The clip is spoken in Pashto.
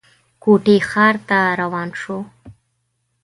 کوټې ښار ته روان شو.